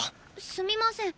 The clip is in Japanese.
すみません。